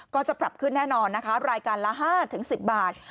ก็จะปรับขึ้นแน่นอนนะคะรายการละห้าถึงสิบบาท